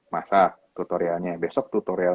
masak tutorialnya besok tutorial